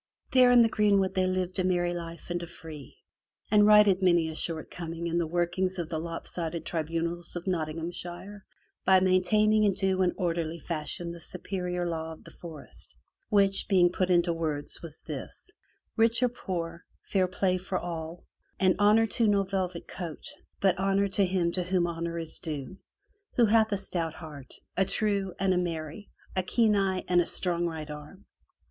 There in the greenwood they lived a merry life and a free, and righted many a shortcoming in the workings of the lopsided tribunals of Nottinghamshire by maintaining in due and orderly fashion the superior law of the forest, which, being put into words was this — rich or poor, fair play for all; and honor to no velvet coat, but honor to him to whom honor is due, who hath a stout heart, a true, and a merry, a keen eye, and a strong right arm.